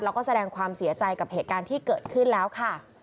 แล้วก็แสดงความเสียใจกับเหตุการณ์ที่เกิดขึ้นแล้วค่ะ